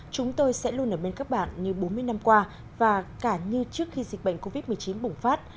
chúng tôi sẽ luôn ở bên các bạn như bốn mươi năm qua và cả như trước khi dịch bệnh covid một mươi chín bùng phát